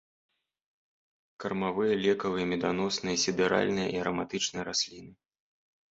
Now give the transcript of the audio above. Кармавыя, лекавыя, меданосныя, сідэральныя і араматычныя расліны.